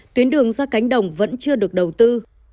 tuyến đường ra cánh đồng vẫn chưa được đầu tư